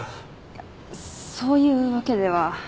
いやそういうわけでは。